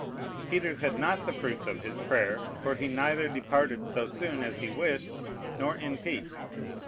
" Peters had not the fruits of his prayer; for he neither departed so soon as he wished, nor in peace.